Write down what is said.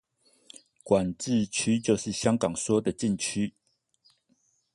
管制區就是香港說的禁區